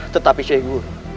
tetapi syekh guru